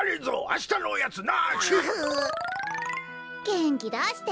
げんきだして。